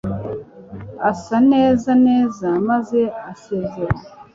asa neza neza, maze asezera